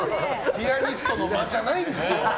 ピアニストの間じゃないんですよ。